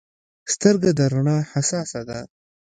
سترګه د رڼا حساسه ده.